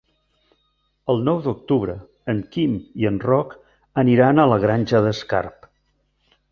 El nou d'octubre en Quim i en Roc aniran a la Granja d'Escarp.